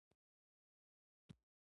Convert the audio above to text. تارڼ اوبښتکۍ د مڼو باغونه لري.